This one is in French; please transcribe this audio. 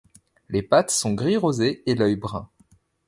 Les pattes sont gris rosé et l'œil brun.